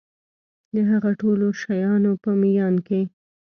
د هغه ټولو شیانو په میان کي